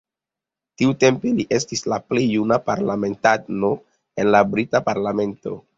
Tiutempe, li estis la plej juna parlamentano en la brita parlamento.